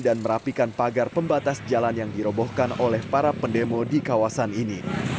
dan merapikan pagar pembatas jalan yang dirobohkan oleh para pendemo di kawasan ini